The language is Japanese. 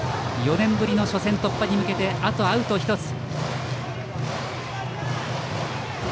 ４年ぶりの初戦突破に向けてあとアウト１つ。